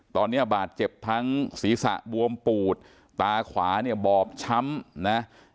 ตอนนี้บาดเจ็บทั้งศีรษะบวมปูดตาขวาเนี่ยบอบช้ำนะ